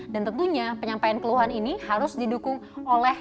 dan tentunya penyampaian keluhan ini harus didukung oleh bantuan sosial covid sembilan belas